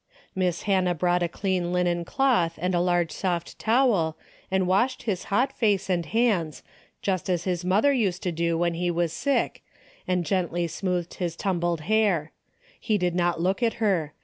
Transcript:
Miss Hannah brought a clean linen cloth and a large soft toAvel, and washed his hot face and hands, just as his mother used to do Avhen he was sick, and gently smoothed his tumbled hair. He did not look at her.